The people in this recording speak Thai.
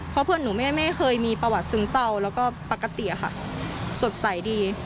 เพราะเพื่อนหนูไม่เคยมีประวัติซึมเศร้าแล้วก็ปกติค่ะสดใสดี